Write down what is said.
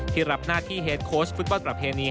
รับหน้าที่เฮดโค้ชฟุตบอลประเพณี